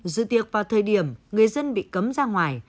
dự tiệc vào thời điểm người dân bị cấm ra ngoài